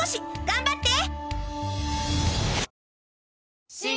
頑張って！